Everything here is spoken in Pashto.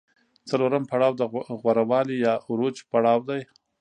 څلورم پړاو د غوره والي یا عروج پړاو دی